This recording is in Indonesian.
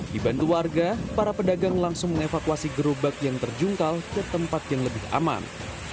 dibantu warga para pedagang langsung mengevakuasi gerobak yang terjungkal ke tempat yang lebih aman